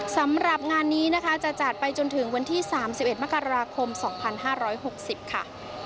สำหรับงานนี้นะคะจะจัดไปจนถึงวันที่๓๑มกราคม๒๕๖๐ค่ะ